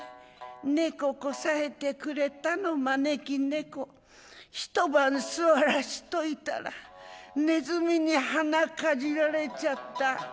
猫こさえてくれたの招き猫一晩座らしといたらねずみに鼻かじられちゃった」。